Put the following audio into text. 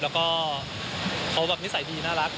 แล้วก็เขาแบบนิสัยดีน่ารัก